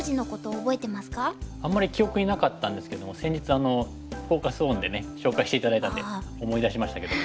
あんまり記憶になかったんですけども先日フォーカス・オンでね紹介して頂いたんで思い出しましたけども。